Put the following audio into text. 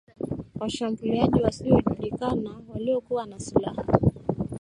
Washambuliaji wasiojulikana waliokuwa na silaha